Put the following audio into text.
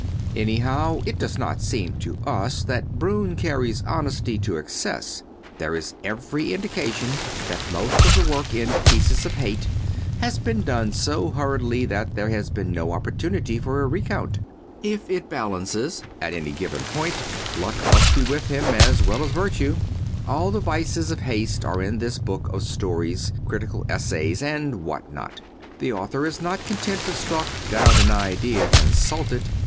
Anyhow, it does not seem to us that Broun carries honesty to excess. There is every indication that most of the work in "Pieces of Hate" has been done so hurriedly that there has been no opportunity for a recount. If it balances at any given point luck must be with him as well as virtue. All the vices of haste are in this book of stories, critical essays and what not. The author is not content to stalk down an idea and salt it.